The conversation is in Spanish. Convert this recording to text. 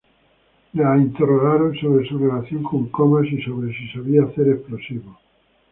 La interrogaron sobre su relación con Comas y sobre si sabía hacer explosivos.